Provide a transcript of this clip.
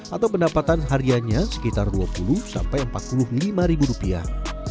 atau pendapatan hariannya sekitar dua puluh sampai empat puluh lima ribu rupiah